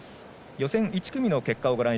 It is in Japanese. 予選１組の結果です。